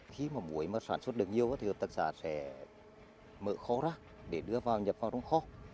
khi mà muối mà sản xuất được nhiều thì hợp tác xã sẽ mở kho ra để đưa vào nhập vào trong kho